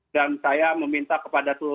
dan saya meminta kepada tuhan